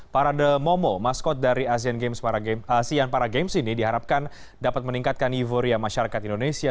parade momo maskot dari asean paragames ini diharapkan dapat meningkatkan nivoria masyarakat indonesia